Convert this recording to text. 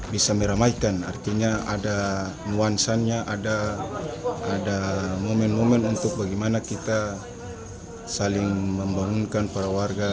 bisa meramaikan artinya ada nuansanya ada momen momen untuk bagaimana kita saling membangunkan para warga